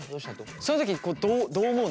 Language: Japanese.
そういう時どう思うの？